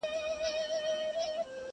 اوس د زمریو له برېتونو سره لوبي کوي!!